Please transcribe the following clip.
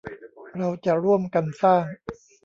เราจะร่วมกันสร้าง